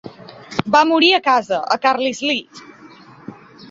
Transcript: Va morir a casa, a Carlisle.